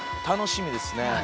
楽しみですね。